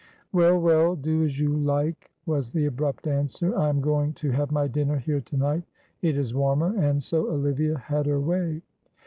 "Well, well, do as you like," was the abrupt answer. "I am going to have my dinner here tonight, it is warmer," and so Olivia had her way.